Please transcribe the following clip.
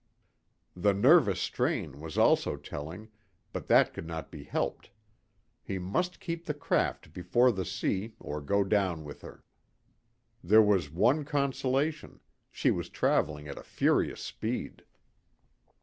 The nervous strain was also telling, but that could not be helped; he must keep the craft before the sea or go down with her. There was one consolation she was travelling at a furious speed.